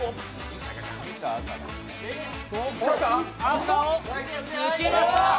赤を抜きました。